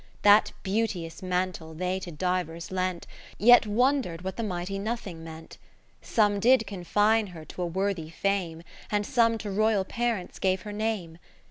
That beauteous mantle they to divers lent. Yet wonder'd what the mighty no thing meant. Some did confine her to a worthy fame, And some to Royal parents gave her name.